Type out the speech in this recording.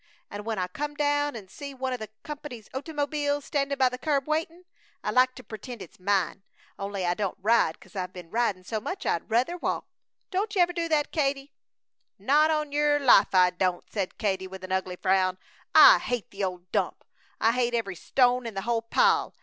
And when I come down and see one of the company's ottymobiles standin' by the curb waitin', I like to pertend it's mine, only I don't ride 'cause I've been ridin' so much I'd ruther walk! Don't you ever do that, Katie?" "Not on yer life, I don't!" said Katie, with an ugly frown. "I hate the old dump! I hate every stone in the whole pile!